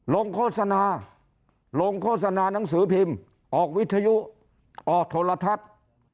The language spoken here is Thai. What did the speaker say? โฆษณาลงโฆษณาหนังสือพิมพ์ออกวิทยุออกโทรทัศน์